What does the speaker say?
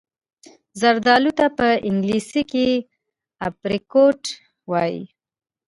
زردالو ته په انګلیسي Apricot وايي.